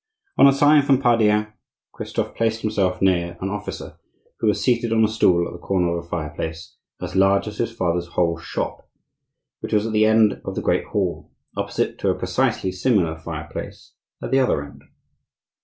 On a sign from Pardaillan Christophe placed himself near an officer, who was seated on a stool at the corner of a fireplace as large as his father's whole shop, which was at the end of the great hall, opposite to a precisely similar fireplace at the other end.